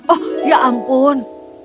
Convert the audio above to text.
oh ya ampun